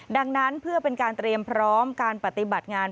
ดังนั้นเพื่อเป็นการเตรียมพร้อมการปฏิบัติงาน